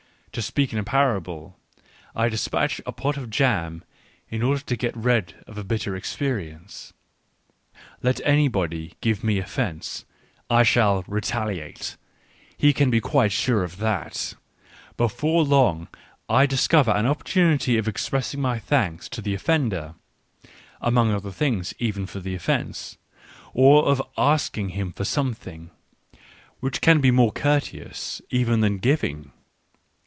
To speak in a parable : I dispatch a pot of jam in order to get rid of a bitter experience. ... Let anybody only give me offence, I shall " retaliate," he can be quite sure of that : before long I discover an opportunity of expressing my thanks to the " offender " (among other things even for the offence) — or of asking him for something, which can be more courteous even than giving.